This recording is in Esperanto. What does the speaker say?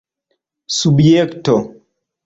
subjekto